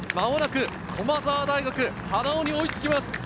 間もなく駒澤大学・花尾に追いつきます。